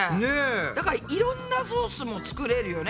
だからいろんなソースも作れるよね